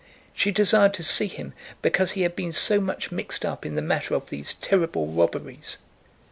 She desired to see him because he had been so much mixed up in the matter of these terrible robberies.